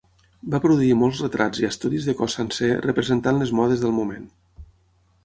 Va produir molts retrats i estudis de cos sencer representant les modes del moment.